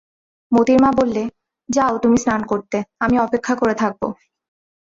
মোতির মা বললে, যাও তুমি স্নান করতে, আমি অপেক্ষা করে থাকব।